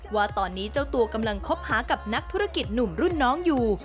ว่าตอนนี้เจ้าตัวกำลังคบหากับนักธุรกิจหนุ่มรุ่นน้องอยู่